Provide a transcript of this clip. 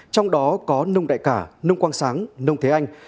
trong đó có nông đại cả nông quang sáng nông thế anh